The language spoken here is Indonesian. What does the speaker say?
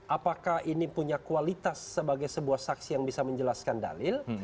apakah ini punya kualitas sebagai sebuah saksi yang bisa menjelaskan dalil